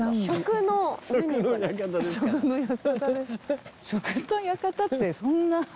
「食の舘」ってそんな。